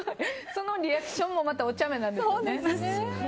そのリアクションもまたおちゃめなんですよね。